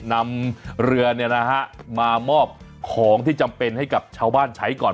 นำเรือมามอบของที่จำเป็นให้กับชาวบ้านใช้ก่อน